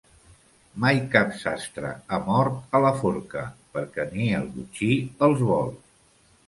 Mai cap sastre ha mort a la forca, perquè ni el botxí els vol.